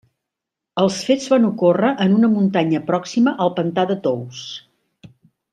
Els fets van ocórrer en una muntanya pròxima al pantà de Tous.